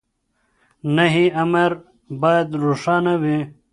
نهي امر بايد روښانه وي.